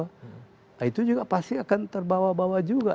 nah itu juga pasti akan terbawa bawa juga